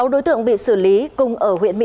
sáu đối tượng bị xử lý cùng ở huyện mỹ